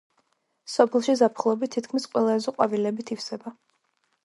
სოფელში ზაფხულობით თითქმის ყველა ეზო ყვავილებით ივსება.